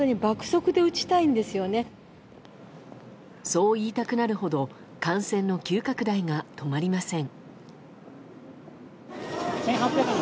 そういいたくなるほど感染の急拡大が止まりません。